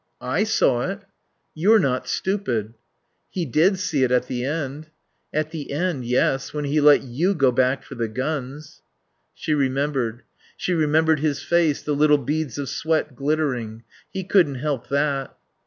"I saw it." "You're not stupid." "He did see it at the end." "At the end, yes When he let you go back for the guns." She remembered. She remembered his face, the little beads of sweat glittering. He couldn't help that.